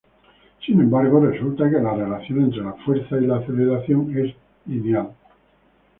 Sin embargo, resulta que la relación entre la fuerza y la aceleración es lineal.